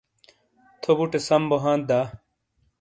تھو بوٹے سم بو ہانت دا ؟